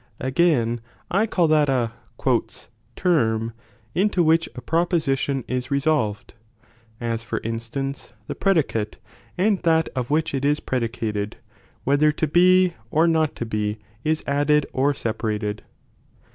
Again, I call that a « term," into which a proposition is resolved, as for instance, the predicate and that of which it is predicated, whether to be or not to be is added or separated.